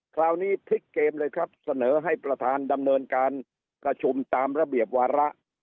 คราวนี้พลิกเกมเลยครับเสนอให้ประธานดำเนินการประชุมตามระเบียบวาระ